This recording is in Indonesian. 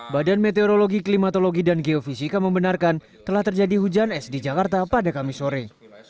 badan meteorologi klimatologi dan geofisika membenarkan telah terjadi hujan es di jakarta pada kamis sore